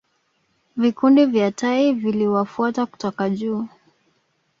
Vikundi vya tai viliwafuata kutoka juu